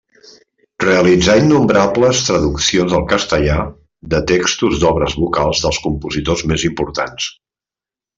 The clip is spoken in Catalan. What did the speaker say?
Realitzà innombrables traduccions al castellà de textos d'obres vocals dels compositors més importants.